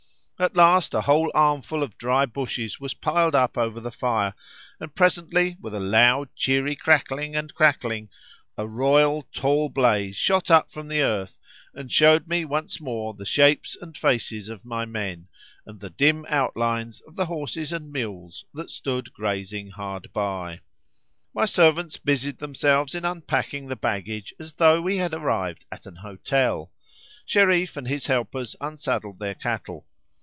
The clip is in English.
At last a whole armful of dry bushes was piled up over the fire, and presently, with a loud cheery crackling and crackling, a royal tall blaze shot up from the earth and showed me once more the shapes and faces of my men, and the dim outlines of the horses and mules that stood grazing hard by. My servants busied themselves in unpacking the baggage as though we had arrived at an hotel—Shereef and his helpers unsaddled their cattle.